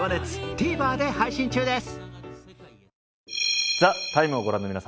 ＴＶｅｒで配信中です。